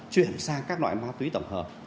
chuyển sang các loại ma túy tổng hợp